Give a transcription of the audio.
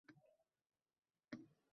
Menga tole